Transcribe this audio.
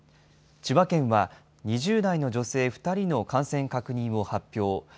千葉県は、２０代の女性２人の感染確認を発表。